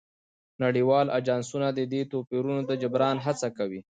نړیوال اژانسونه د دې توپیرونو د جبران هڅه کوي